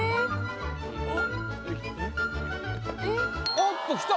おっときた